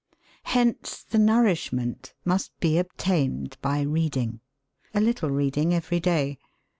Hence the nourishment must be obtained by reading; a little reading every day.